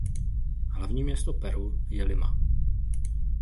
Hlavní město Peru je Lima.